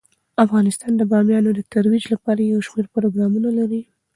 افغانستان د بامیان د ترویج لپاره یو شمیر پروګرامونه لري.